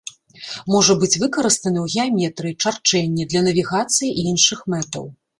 Можа быць выкарыстаны ў геаметрыі, чарчэнні, для навігацыі і іншых мэтаў.